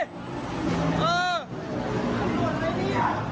สำรวจไว้เร็วแม่ไปดี